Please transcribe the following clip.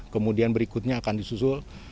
kemudian berikutnya akan disusul